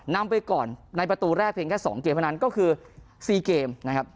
นำไปก่อนในประตูแรกเพียงแค่๒เกมเท่านั้นก็คือ๔เกมนะครับ